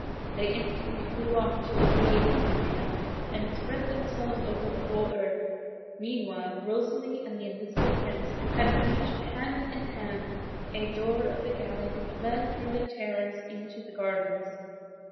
They instantly flew off to obey his commands, and spread themselves over the whole earth. Meantime Rosalie and the Invisible Prince had reached, hand in hand, a door of the gallery which led through a terrace into the gardens.